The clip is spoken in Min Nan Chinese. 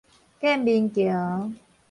建民橋